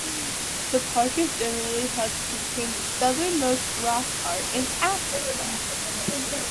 The park is generally held to contain the southernmost rock art in Africa.